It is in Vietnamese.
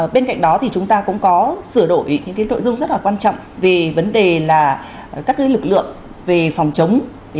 bên cạnh đó thì chúng ta cũng có sửa đổi những nội dung rất là quan trọng về vấn đề là các lực lượng về phòng chống